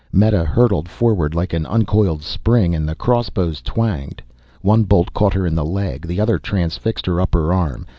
Meta hurtled forward like an uncoiled spring and the crossbows twanged. One bolt caught her in the leg, the other transfixed her upper arm.